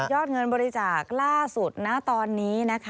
ยอดเงินบริจาคล่าสุดณตอนนี้